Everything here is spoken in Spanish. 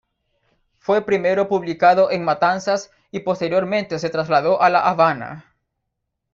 Fue primero publicado en Matanzas y posteriormente se trasladó a La Habana.